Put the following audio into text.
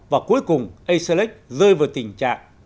và cuối cùng a selig rơi vào tình trạng